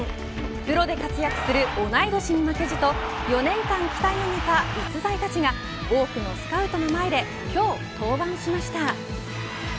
プロで活躍する同い年に負けじと４年間鍛え上げた逸材たちが多くのスカウトの前で今日登板しました。